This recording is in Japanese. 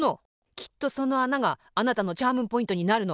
きっとそのあながあなたのチャームポイントになるの。